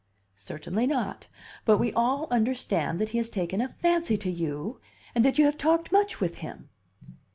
"Certainly not. But we all understand that he has taken a fancy to you, and that you have talked much with him."